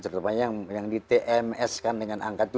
terutama yang di tms kan dengan angkatan